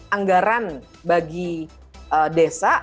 anggaran bagi desa